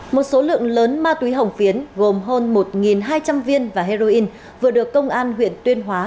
một số lượng lớn ma túy hồng phiến gồm hơn một hai trăm linh viên và heroin vừa được công an huyện tuyên hóa